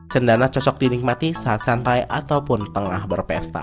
cendana cocok dinikmati saat santai ataupun tengah berpesta